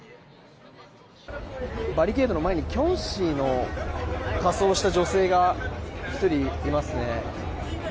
バリケードの前にキョンシーの仮装をした女性が１人いますね。